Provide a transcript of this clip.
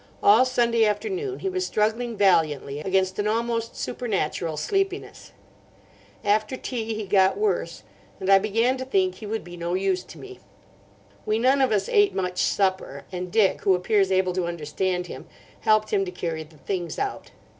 All Sunday afternoon he was struggling valiantly against an almost supernatural sleepiness. After tea he got worse, and I began to think he would be no use to me. We none of us ate much supper; and Dick, who appears able to understand him, helped him to carry the things out.